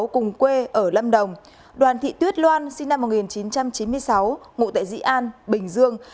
cùng quê ở lâm đồng đoàn thị tuyết loan sinh năm một nghìn chín trăm chín mươi sáu ngụ tại dĩ an bình dương